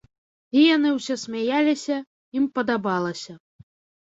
І яны ўсе смяяліся, ім падабалася.